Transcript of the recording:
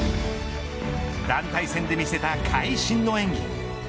団体戦で見せた会心の演技。